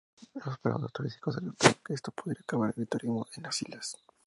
Los operadores turísticos alertaron que esto podría acabar con el turismo en las islas.